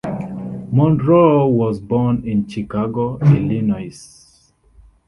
Monroe was born in Chicago, Illinois.